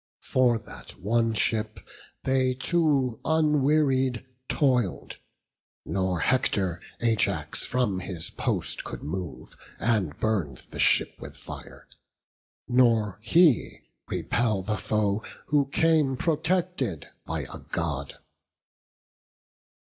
For that one ship they two unwearied toil'd; Nor Hector Ajax from his post could move, And burn the ship with fire; nor he repel The foe who came protected by a God.